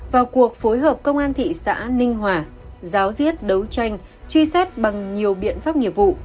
vào cuộc phối hợp công an thị xã ninh hòa giáo diết đấu tranh truy xét bằng nhiều biện pháp nghiệp vụ